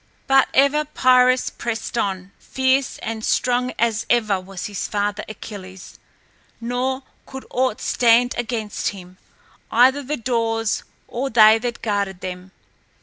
But ever Pyrrhus pressed on, fierce and strong as ever was his father Achilles, nor could aught stand against him, either the doors or they that guarded them.